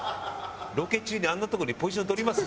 ロケ中にあんなとこにポジション取ります？